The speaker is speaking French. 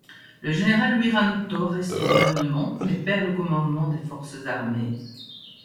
Le général Wiranto reste au gouvernement mais perd le commandement des forces armées.